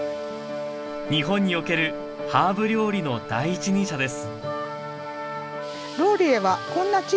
日本におけるハーブ料理の第一人者です